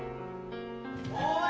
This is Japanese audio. おい！